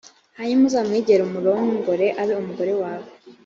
hanyuma uzamwegere umurongore, abe umugore wawe.